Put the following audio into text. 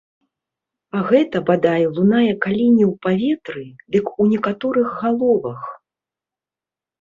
А гэта, бадай, лунае калі не ў паветры, дык у некаторых галовах.